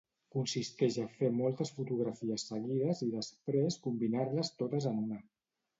Consisteix a fer moltes fotografies seguides i després combinar-les totes en una.